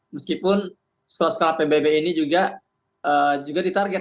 meskipun sekolah skala pbb ini juga ditarget